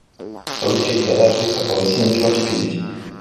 Soluția ideală ar fi să folosim mijloace fizice.